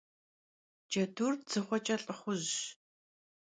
Cedur dzığueç'e lh'ıxhujş.